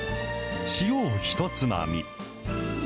塩をひとつまみ。